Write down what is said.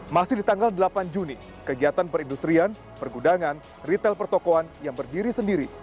masih di tanggal delapan juni kegiatan perindustrian pergudangan retail pertokohan yang berdiri sendiri